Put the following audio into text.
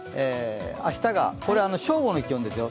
明日が、これは正午の気温ですよ。